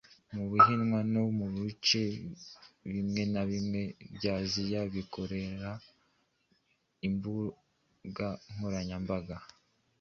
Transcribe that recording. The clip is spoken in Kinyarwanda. mu Buhinwa no mu bice bimwe na bimwe bya Aziya bakoreha imbuga nkoranya mbaga